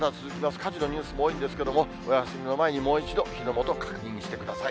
火事のニュースも多いんですけれども、お休みの前にもう一度、火の元確認してください。